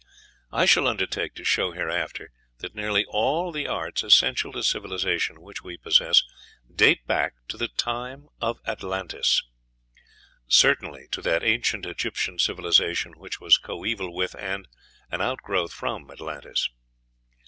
I shall undertake to show hereafter that nearly all the arts essential to civilization which we possess date back to the time of Atlantis certainly to that ancient Egyptian civilization which was coeval with, and an outgrowth from, Atlantis.